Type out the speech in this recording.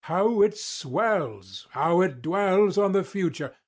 How it swells! How it dwells On the Future!